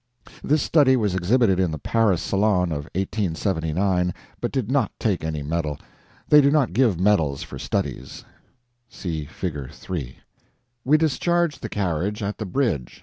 This study was exhibited in the Paris Salon of 1879, but did not take any medal; they do not give medals for studies. We discharged the carriage at the bridge.